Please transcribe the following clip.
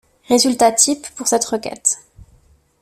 Résultat type pour cette requête.